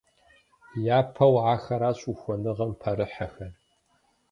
Япэу ахэращ ухуэныгъэм пэрыхьэхэр.